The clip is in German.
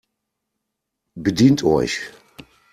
Bedient euch!